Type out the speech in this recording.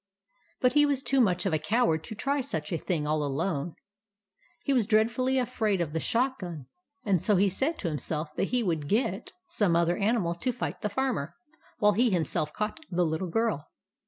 But he was too much of a coward to try such a thing all alone. He was dreadfully afraid of the shot gun ; and so he said to himself that he would get some other animal to fight the Farmer, while he himself caught the little girl.